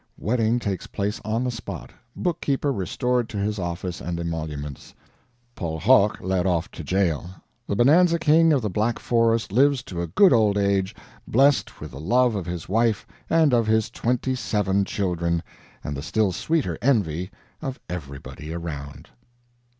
Wedding takes place on the spot; bookkeeper restored to his office and emoluments; Paul Hoch led off to jail. The Bonanza king of the Black Forest lives to a good old age, blessed with the love of his wife and of his twenty seven children, and the still sweeter envy of everybody around.